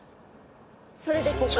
それでここ？